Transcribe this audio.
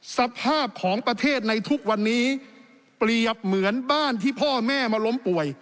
สภาพของประเทศในทุกวันนี้เปรียบเหมือนบ้านที่พ่อแม่มาล้มป่วย